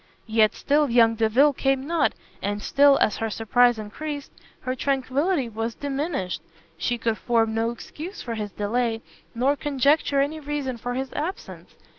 Yet still young Delvile came not, and still, as her surprise encreased, her tranquillity was diminished. She could form no excuse for his delay, nor conjecture any reason for his absence.